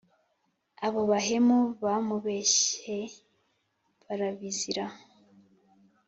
abo bahemu bamubeshye barabizira